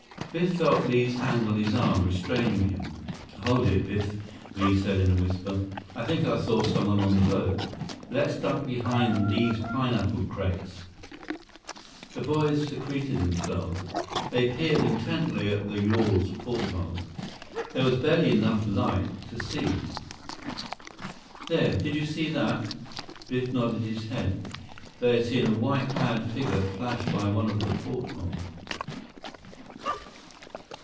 Biff felt Li's hand on his arm, restraining him. "Hold it, Biff," Li said in a whisper. "I think I saw someone on the boat. Let's duck behind these pineapple crates." 85 They peered intently at the yawl's portholes 86 The boys secreted themselves. They peered intently at the yawl's portholes. There was barely enough light to see. "There, did you see that!" Biff nodded his head. They had seen a white clad figure flash by one of the portholes.